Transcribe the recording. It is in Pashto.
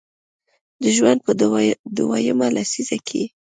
د ژوند په دویمه لسیزه کې